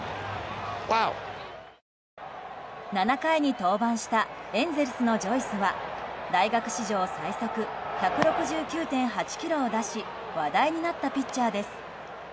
７回に登板したエンゼルスのジョイスは大学史上最速１６９．８キロを出し話題になったピッチャーです。